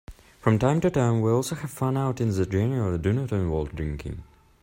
From time to time, we also have fun outings that generally do not involve drinking.